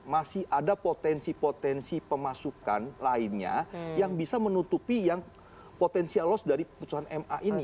masih ada potensi potensi pemasukan lainnya yang bisa menutupi yang potensial loss dari putusan ma ini